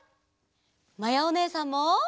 まやおねえさんも。